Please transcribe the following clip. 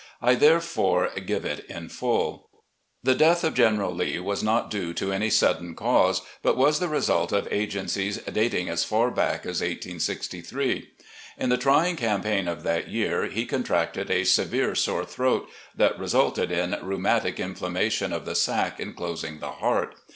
I, therefore, give it in full: "The death of General Lee was not due to any sudden cause, but was the result of agencies dating as far back as 1863. In the tr3dng campaign of that year he con tracted a severe sore throat, that resulted in rheumatic infla mmation of the sac inclosing the heart.